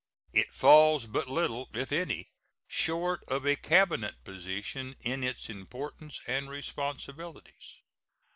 It falls but little, if any, short of a Cabinet position in its importance and responsibilities.